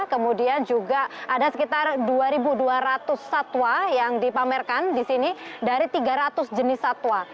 kemudian juga ada sekitar dua dua ratus satwa yang dipamerkan di sini dari tiga ratus jenis satwa